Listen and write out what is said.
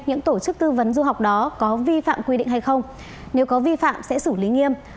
những tổ chức tư vấn du học đó có vi phạm quy định hay không nếu có vi phạm sẽ xử lý nghiêm